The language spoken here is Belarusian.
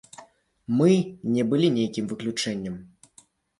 Мы не былі нейкім выключэннем.